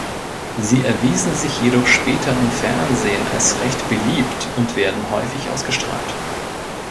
Sie erwiesen sich jedoch später im Fernsehen als recht beliebt und werden häufig ausgestrahlt.